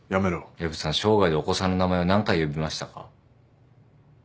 薮さん生涯でお子さんの名前を何回呼びましたか？